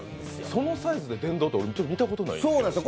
そのサイズで電動って見たことないです。